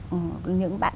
những bạn bè những người bạn